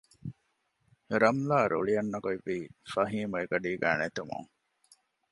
ރަމްލާ ރުޅި އަންނަގޮތްވީ ފަހީމު އެގަޑީގައި ނެތުމުން